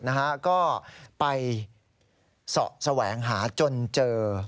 แล้วก็ไปสระแสวงหาจนเจอ